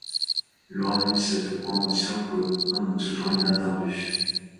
L’homme eut cette commotion que donne toujours l’inattendu.